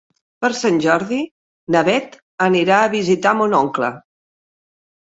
Per Sant Jordi na Bet anirà a visitar mon oncle.